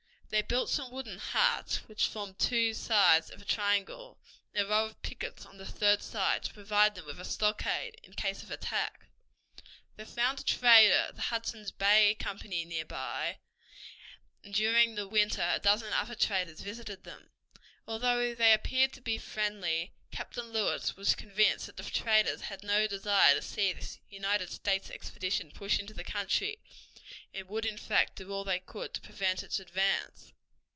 They built some wooden huts, which formed two sides of a triangle, and a row of pickets on the third side, to provide them with a stockade in case of attack. They found a trader of the Hudson's Bay Company near by, and during the winter a dozen other traders visited them. Although they appeared to be friendly, Captain Lewis was convinced that the traders had no desire to see this United States expedition push into the country, and would in fact do all they could to prevent its advance.